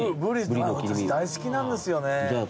私大好きなんですよね。